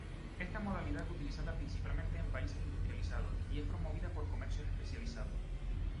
Esta modalidad es utilizada principalmente en países industrializados y es promovida por comercios especializados.